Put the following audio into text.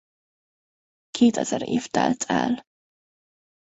Kétezer év telt el.